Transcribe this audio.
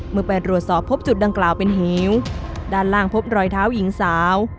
เมื่อไปรวดสอบพบจุดดังกล่าวเป็นเหวด้านล่างพบรอยเท้าหญิงสาว